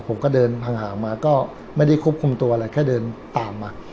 ผมก็เดินห่างมาก็ไม่ได้ควบคุมตัวอะไรแค่เดินตามมา